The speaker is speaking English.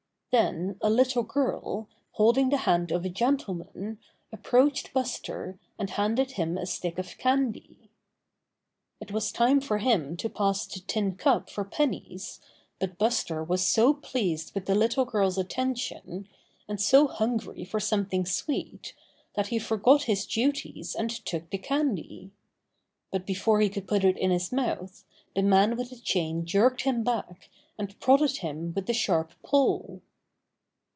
Then a little girl, holding the hand of a gentleman, approached Buster and handed him a stick of candy. It was time for him to pass the tin cup for pennies, but Buster was so pleased with the little girl's attention, and so hungry for some thing sweet, that he forgot his duties and took the candy. But before he could put it in his mouth the man with the chain jerked him back and prodded him with the sharp pole.